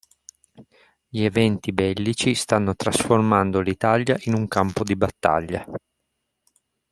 Gli eventi bellici stanno trasformando l'Italia in un campo di battaglia.